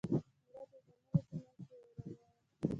مړه د غمونو په منځ کې یو رڼا وه